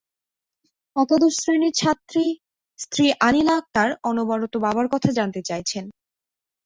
একাদশ শ্রেণীর ছাত্রী স্ত্রী আনিলা আক্তার অনবরত বাবার কথা জানতে চাইছেন।